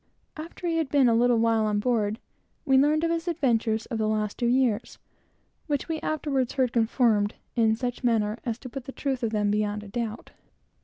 After he had been a little while on board, we learned from him his remarkable history, for the last two years, which we afterwards heard confirmed in such a manner, as put the truth of it beyond a doubt.